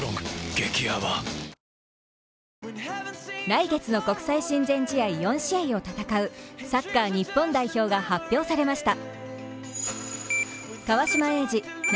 来月の国際親善試合４試合を戦うサッカー日本代表が発表されました。